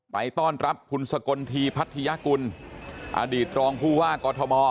ไปต้อนรับคุณสกลทีพัทยากุลอดีตรองผู้ว่ากอทม